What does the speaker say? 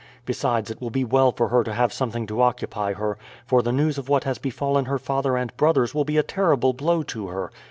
Besides, it will be well for her to have something to occupy her, for the news of what has befallen her father and brothers will be a terrible blow to her.